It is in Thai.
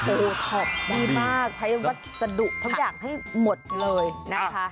เออขอบคุณมากใช้วัดสดุทั้งอย่างให้หมดเลยนะคะ